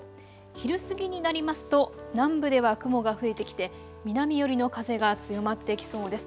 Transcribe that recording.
昼過ぎになりますと南部では雲が増えてきて南寄りの風が強まってきそうです。